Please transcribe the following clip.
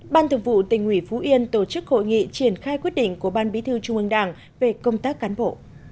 ban thực vụ tỉnh ủy phú yên tổ chức hội nghị triển khai quyết định của ban bí thư trung ương đảng về công tác cán bộ